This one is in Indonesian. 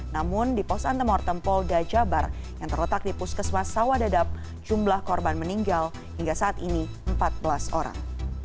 namun di pos antemortem polda jabar yang terletak di puskesmas sawadadap jumlah korban meninggal hingga saat ini empat belas orang